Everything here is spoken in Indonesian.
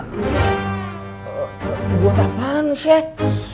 buat apaan shek